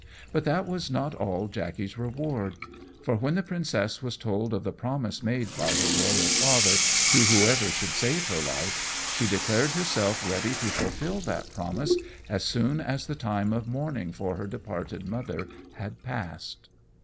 But that was not all Jackey's reward; for when the princess was told of the promise made by her royal father to whoever should save her life, she declared herself ready to fulfil that promise, as soon as the time of mourning for her departed mother had passed.